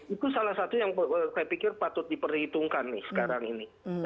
itu salah satu yang saya pikir patut diperhitungkan nih sekarang ini